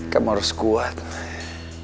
kamu harus kuat pei